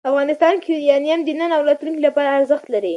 افغانستان کې یورانیم د نن او راتلونکي لپاره ارزښت لري.